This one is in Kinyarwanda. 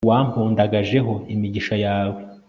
wampundagajeho imigisha yawe